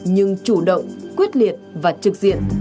nhưng chủ động quyết liệt và trực diện